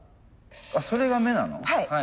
あそれが目なの。